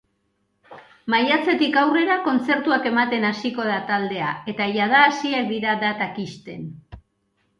Maiatzetik aurrera kontzertuak ematen hasiko da taldea eta jada hasiak dira datak ixten.